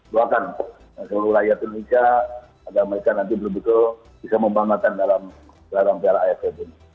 semoga seluruh rakyat indonesia agar mereka nanti bisa membangun dalam piala afc